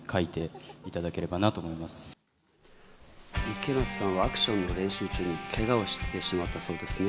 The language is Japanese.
池松さんはアクションの練習中にけがをしてしまったそうなんですね。